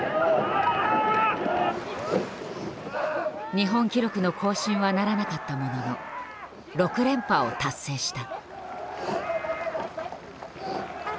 日本記録の更新はならなかったものの６連覇を達成した。